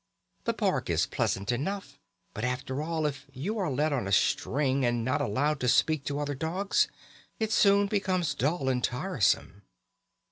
The park is pleasant enough, but after all if you are led on a string and not allowed to speak to other dogs, it soon becomes dull and tiresome.